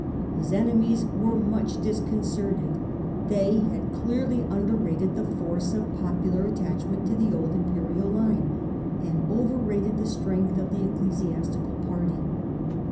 His enemies lirere much disconcerted; they had clearly underrated the force of popular attachment to the old imperial line, and overrated the strength of the ecclesiastical party.